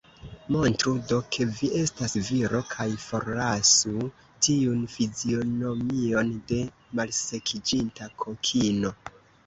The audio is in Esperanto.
Montru do, ke vi estas viro, kaj forlasu tiun fizionomion de malsekiĝinta kokino.